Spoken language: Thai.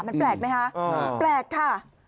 มันแปลกไหมคะแปลกค่ะ